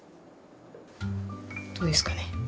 どうですかね？